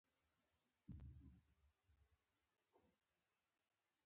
احمد د بل په شکنه غوږونه سوزي.